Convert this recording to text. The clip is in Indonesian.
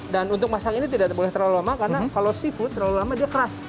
dan untuk masak ini tidak boleh terlalu lama karena kalau seafood terlalu lama dia keras